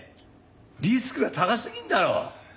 リスクが高すぎんだろ！